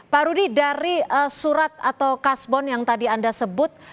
pak rudi dari surat atau kasbon yang tadi anda sebut